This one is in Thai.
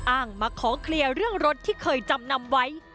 อ้างมาขอเคลียร์เรื่องรถที่เคยจำนำไว้